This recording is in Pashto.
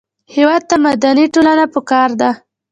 هېواد ته مدني ټولنه پکار ده